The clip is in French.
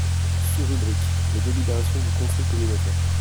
sous-rubrique : les délibérations du Conseil communautaire.